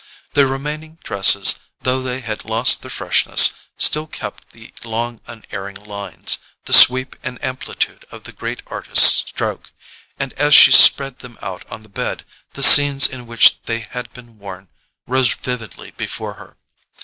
The remaining dresses, though they had lost their freshness, still kept the long unerring lines, the sweep and amplitude of the great artist's stroke, and as she spread them out on the bed the scenes in which they had been worn rose vividly before her.